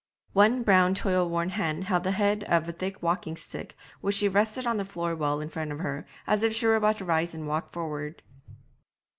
One brown toil worn hand held the head of a thick walking stick which she rested on the floor well in front of her, as if she were about to rise and walk forward.